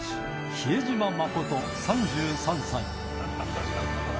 比江島慎３３歳。